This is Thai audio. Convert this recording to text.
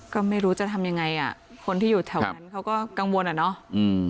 ก็ไม่รู้จะทำยังไงอ่ะคนที่อยู่แถวนั้นเขาก็กังวลอ่ะเนอะอืม